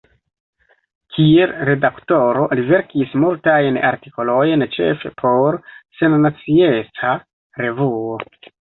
Kiel redaktoro li verkis multajn artikolojn ĉefe por “Sennacieca Revuo”.